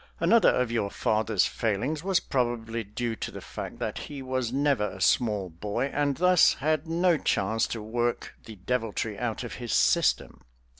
Another of your father's failings was probably due to the fact that he was never a small boy and thus had no chance to work the deviltry out of his system.